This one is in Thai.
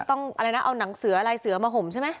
นี่ต้องเอาหนังเสืออะไรเสือมาห่มใช่ไหม